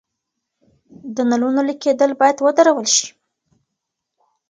د نلونو لیک کیدل باید ودرول شي.